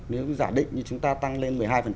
nếu giả định như chúng ta tăng lên một mươi hai